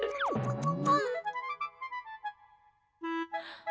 tumpah tumpah tumpah